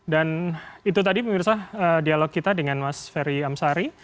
dan itu tadi pemirsa dialog kita dengan mas ferry amsari